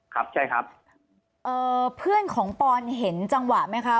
ครับใช่ครับเอ่อเพื่อนของปอนเห็นจังหวะไหมคะ